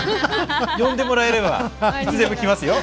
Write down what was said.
呼んでもらえればいつでも来ますよ